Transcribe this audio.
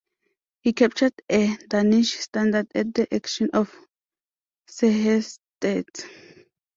He captured a Danish standard at the action of Sehestedt.